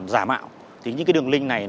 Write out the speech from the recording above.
giả mạo những đường link này